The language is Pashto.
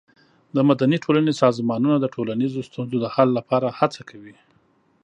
د مدني ټولنې سازمانونه د ټولنیزو ستونزو د حل لپاره هڅه کوي.